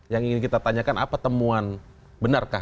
yang ingin kita tanyakan apa temuan benarkah